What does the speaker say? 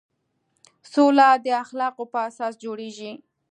سوله د اخلاقو په اساس جوړېږي.